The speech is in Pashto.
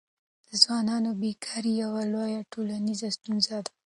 د ځوانانو بېکاري یوه لویه ټولنیزه ستونزه ده.